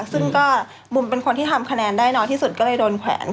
ซึ่งก็บุมเป็นคนที่ทำคะแนนได้น้อยที่สุดก็เลยโดนแขวน